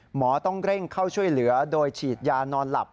หมอต้องเร่งเข้าช่วยเหลือโดยฉีดยานอนหลับ